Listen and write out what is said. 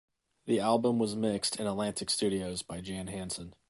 The album was mixed in Atlantic Studios by Jan Hansson.